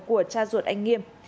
của cha ruột anh nghiêm